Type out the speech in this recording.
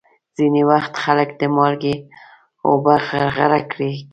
ځینې وخت خلک د مالګې اوبه غرغره کوي.